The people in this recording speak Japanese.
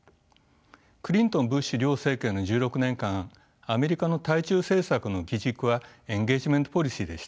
クリントンブッシュ両政権の１６年間アメリカの対中政策の基軸はエンゲージメント・ポリシーでした。